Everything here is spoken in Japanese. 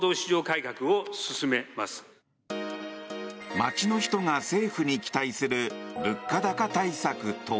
街の人が政府に期待する物価高対策とは。